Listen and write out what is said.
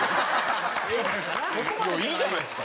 いいじゃないですか。